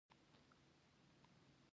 د لر او بر کلیوال خبرو وکړې.